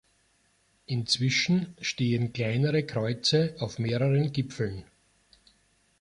Inzwischen stehen kleinere Kreuze auf mehreren Gipfeln.